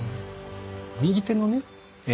右手のね